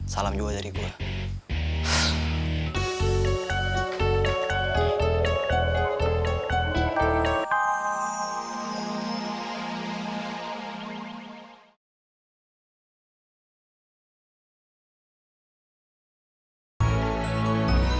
salam juga dari gue